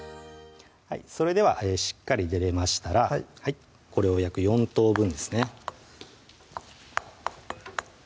それではしっかり練れましたらこれを約４等分ですね